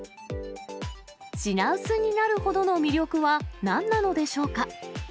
品薄になるほどの魅力はなんなのでしょうか。